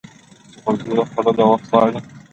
د جلغوزیو خوړل وخت غواړي.